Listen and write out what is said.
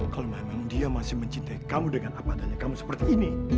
kalau memang dia masih mencintai kamu dengan apa adanya kamu seperti ini